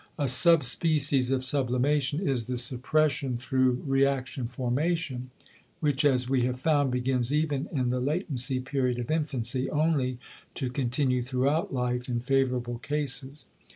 A sub species of sublimation is the suppression through reaction formation, which, as we have found, begins even in the latency period of infancy, only to continue throughout life in favorable cases.